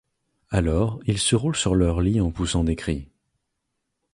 Alors ils se roulent sur leur lit en poussant des cris.